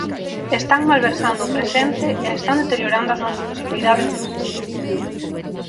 Están malversando o presente e están deteriorando as nosas posibilidades de futuro.